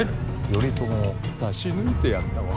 頼朝を出し抜いてやったわ。